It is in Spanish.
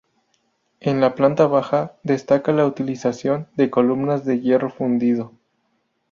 En la planta baja destaca la utilización de columnas de hierro fundido.